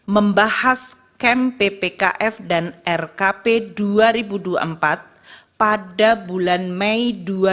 membahas kem ppkf dan rkp dua ribu dua puluh empat pada bulan mei dua ribu dua puluh